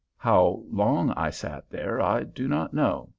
How long I sat there I do not know.